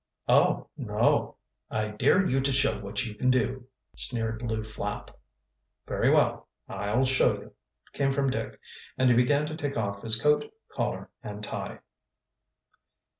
"Oh, no." "I dare you to show what you can do," sneered Lew Flapp. "Very well, I'll show you," came from Dick, and he began to take off his coat, collar, and tie.